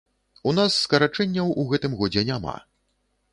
У нас скарачэнняў у гэтым годзе няма.